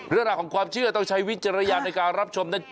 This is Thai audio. เรื่องราวของความเชื่อต้องใช้วิจารณญาณในการรับชมนะจ๊